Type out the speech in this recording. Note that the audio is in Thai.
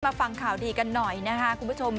ฟังข่าวดีกันหน่อยนะคะคุณผู้ชม